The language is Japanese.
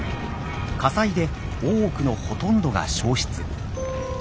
火災で大奥のほとんどが焼失。